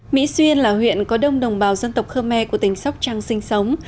mỹ xuyên là huyện có đông đồng bào dân tộc khmer của tỉnh sóc trăng sinh sống